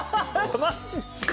マジですか？